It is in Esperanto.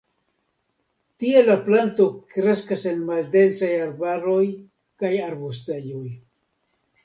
Tie la planto kreskas en maldensaj arbaroj kaj arbustejoj.